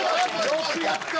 よくやった。